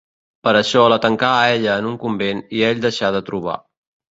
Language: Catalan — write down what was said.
Per això la tancà a ella en un convent i ell deixà de trobar.